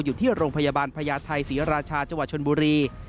อยู่ที่โรงพยาบาลพญาไทยศรีราชาจังหวัดชนบุรี